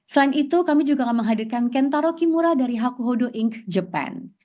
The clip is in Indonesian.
selain itu kami juga akan menghadirkan kentaro kimura dari hakuhodo inc japan